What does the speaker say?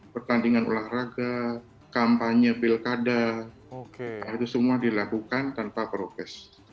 pertandingan olahraga kampanye pilkada itu semua dilakukan tanpa prokes